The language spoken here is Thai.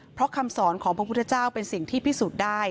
เพราะคำสอนของพระพุทธเจ้าเป็นสิ่งที่พิสูจน์ได้